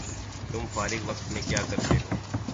تم فارغ وقت میں کیاکرتےہو؟